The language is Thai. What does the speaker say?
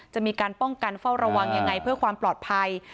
จะมีการป้องกันเฝ้าระวังยังไงเพื่อความปลอดภัย